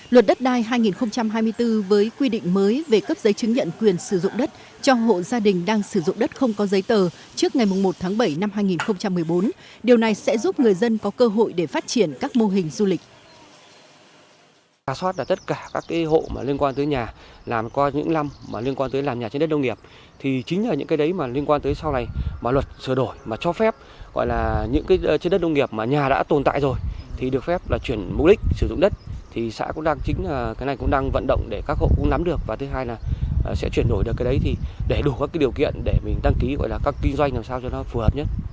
luật đất đai hai nghìn hai mươi bốn với quy định mới về cấp giấy chứng nhận quyền sử dụng đất cho hộ gia đình đang sử dụng đất không có giấy tờ trước ngày một tháng bảy năm hai nghìn một mươi bốn điều này sẽ giúp người dân có cơ hội để phát triển các mô hình du lịch